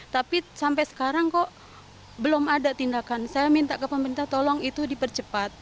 tapi sampai sekarang kok belum ada tindakan saya minta ke pemerintah tolong itu dipercepat